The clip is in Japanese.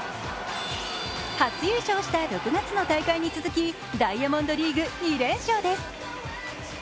初優勝した６月の大会に続きダイヤモンドリーグ２連勝です。